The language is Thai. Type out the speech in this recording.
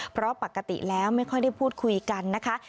เพราะปกติแล้วไม่ค่อยได้พูดคุยกันนะคะ